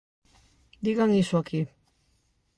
Digan iso aquí.